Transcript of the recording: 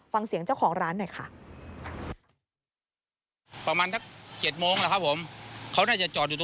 ฟังเสียงเจ้าของร้านหน่อยค่ะ